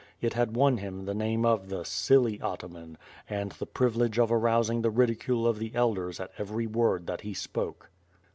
It had won him the name of the "silly Ataman," and the privilege of arousing the ridicule of the elders at every word that he spoke.